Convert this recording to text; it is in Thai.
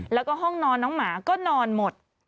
แล้วก็ห้องนอนน้องหมาก็นอนหมด